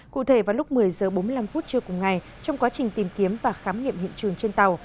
cụ thể vào lúc một mươi h bốn mươi năm phút trưa cùng ngày trong quá trình tìm kiếm và khám nghiệm hiện trường trên tàu